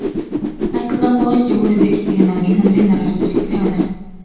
俳句が五七五でできているのは、日本人なら常識だよね。